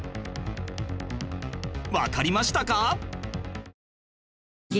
わかりましたか？